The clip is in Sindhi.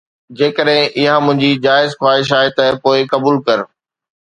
جيڪڏهن اها منهنجي جائز خواهش آهي ته پوءِ قبول ڪر